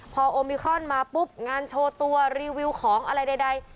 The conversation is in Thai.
พอโอมิครอนมาปุ๊บงานโชว์ตัวรีวิวของอะไรใด